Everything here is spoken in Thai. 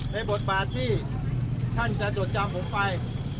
บทบาทที่ท่านจะจดจำผมไป